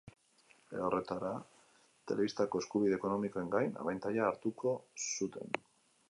Era horretara, telebistako eskubide ekonomikoen gain abantaila hartuko zuten.